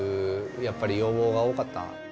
やっぱり要望が多かった。